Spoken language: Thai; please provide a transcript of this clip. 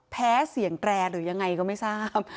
เสียงแตรหรือยังไงก็ไม่ทราบ